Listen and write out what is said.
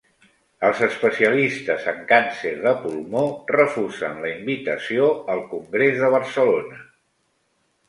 Els especialistes en càncer de pulmó refusen la invitació al congrés de Barcelona